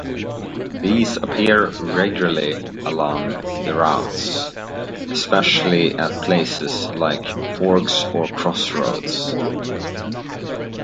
These appear regularly along the route, especially at places like forks or crossroads.